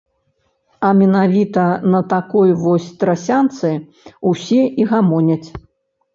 А менавіта на такой вось трасянцы ўсе і гамоняць.